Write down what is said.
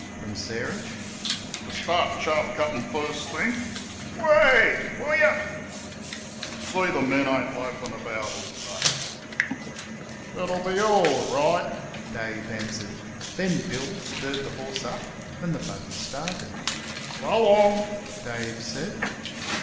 from Sarah) "ter start chaff cuttin' first thing WEH! Will yer an' see th' men ain't loafin' about all day." "It'll be orl right," Dave answered; then Bill stirred the horse up, and the buggy started. "So long!" Dave said.